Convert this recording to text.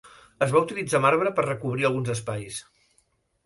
Es va utilitzar marbre per recobrir alguns espais.